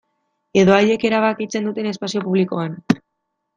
Edo haiek erabakitzen duten espazio publikoan.